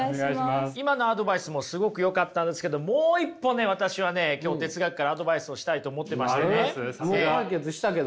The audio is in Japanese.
今のアドバイスもすごくよかったんですけどもう一歩ね私はね今日哲学からアドバイスをしたいと思ってましてね。あります？